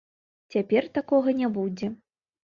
Цяпер такога не будзе.